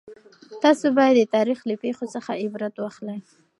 تاسو باید د تاریخ له پېښو څخه عبرت واخلئ.